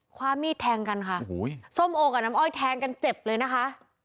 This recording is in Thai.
ความมีดแทงกันค่ะโอ้โหส้มโอกับน้ำอ้อยแทงกันเจ็บเลยนะคะ